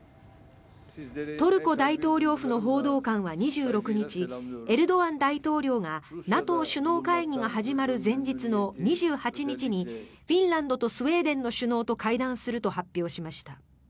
トルコ大統領府の報道官は２６日エルドアン大統領がＮＡＴＯ首脳会議が始まる前日の２８日にフィンランドとスウェーデンの首脳と会談すると発表しました。